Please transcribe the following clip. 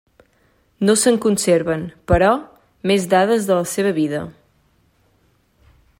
No se'n conserven, però, més dades de la seva vida.